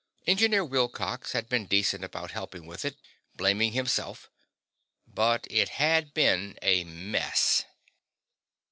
Engineer Wilcox had been decent about helping with it, blaming himself. But it had been a mess.